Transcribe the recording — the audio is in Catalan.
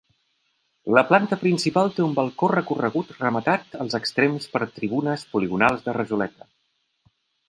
La planta principal té un balcó corregut rematat als extrems per tribunes poligonals de rajoleta.